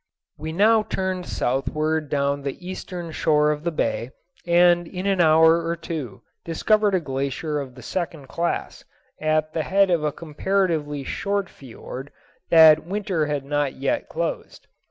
We now turned southward down the eastern shore of the bay, and in an hour or two discovered a glacier of the second class, at the head of a comparatively short fiord that winter had not yet closed.